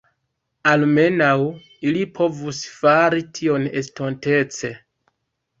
Almenaŭ ili povus fari tion estontece.